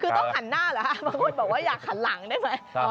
คือต้องหันหน้าเหรอคะบางคนบอกว่าอยากหันหลังได้ไหม